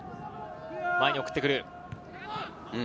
前に送ってくる。